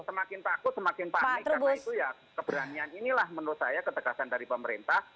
semakin takut semakin panik karena itu ya keberanian inilah menurut saya ketegasan dari pemerintah